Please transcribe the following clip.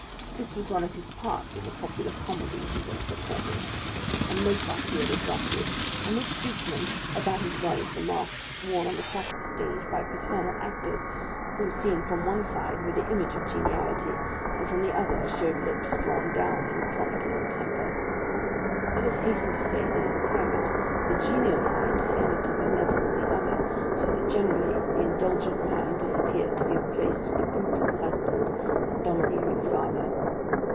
This was one of his parts in the popular comedy he was performing,—a make up he had adopted and which suited him about as well as the masks worn on the classic stage by paternal actors, who seen from one side, were the image of geniality, and from the other showed lips drawn down in chronic ill temper. Let us hasten to say that in private the genial side descended to the level of the other, so that generally the indulgent man disappeared to give place to the brutal husband and domineering father.